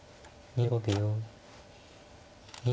２５秒。